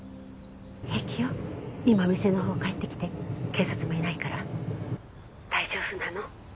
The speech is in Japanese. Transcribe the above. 平気よ今店のほう帰ってきて警察もいないから☎大丈夫なの？